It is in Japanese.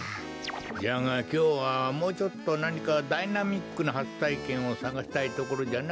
じゃがきょうはもうちょっとなにかダイナミックなはつたいけんをさがしたいところじゃな。